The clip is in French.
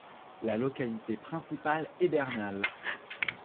La localité principale est Berhale.